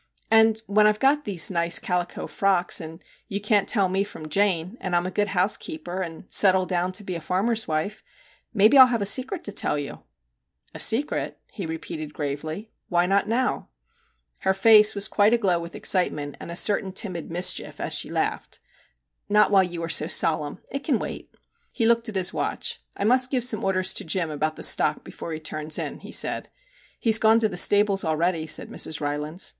* And when I Ve got these nice calico frocks, and you can't tell me from Jane, and I 'm a good housekeeper, and settle down to be a farmer's wife, maybe I '11 have a secret to tell you/ ' A secret ?' he repeated gravely. * Why not now ?' Her face was quite aglow with excitement and a certain timid mischief as she laughed 52 MR. JACK HAMLIN'S MEDIATION 'Not while you are so solemn. It can wait.' He looked at his watch. ' I must give some orders to Jim about the stock before he turns in,' he said. 'He's gone to the stables already,' said Mrs. Rylands.